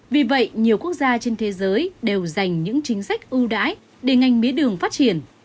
vì vậy nhiều quốc gia trên thế giới đều dành những chính sách ưu đãi để ngành mía đường phát triển